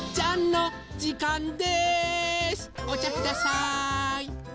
おちゃください！